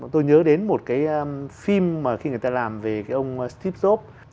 tôi nhớ đến một cái phim mà khi người ta làm về ông steve jobs